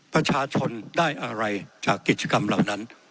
ประชาชนได้อะไรจากกิจกรรมเหล่านั้น